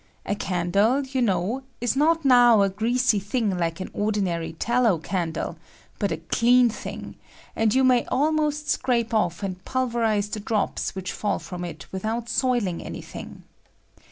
A candle, you know, is not now a greasy thing Uke an ordinary tallow candle, but a clean thing, and you may almost scrape off and pulverize the drops which fall from it without soiling any thing.